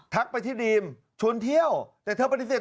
ไปที่ดีมชวนเที่ยวแต่เธอปฏิเสธ